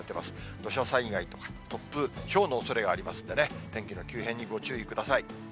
土砂災害とか突風、ひょうのおそれがありますんでね、天気の急変にご注意ください。